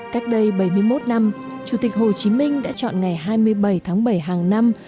cách đây bảy mươi một năm chủ tịch hồ chí minh đã chọn ngày hai mươi bảy tháng bảy hàng năm